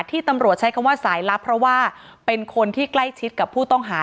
ที่ตำรวจใช้คำว่าสายลับเพราะว่าเป็นคนที่ใกล้ชิดกับผู้ต้องหา